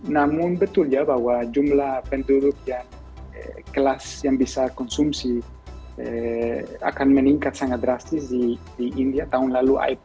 namun betul ya bahwa jumlah penduduk yang kelas yang bisa konsumsi akan meningkat sangat drastis di india tahun lalu